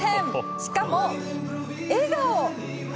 しかも、笑顔！